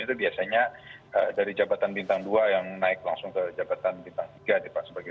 itu biasanya dari jabatan bintang dua yang naik langsung ke jabatan bintang tiga nih pak sebagai